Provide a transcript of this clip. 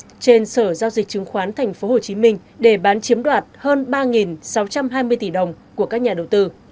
trên sở giao dịch chứng khoán tp hcm để bán chiếm đoạt hơn ba sáu trăm hai mươi tỷ đồng của các nhà đầu tư